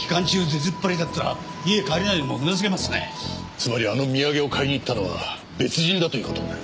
つまりあの土産を買いに行ったのは別人だという事になる。